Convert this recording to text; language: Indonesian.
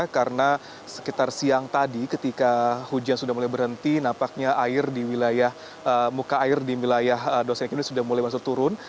karena sekitar siang tadi ketika hujan sudah mulai berhenti nampaknya air di wilayah muka air di wilayah dosen ikib ini sudah mulai masuk turun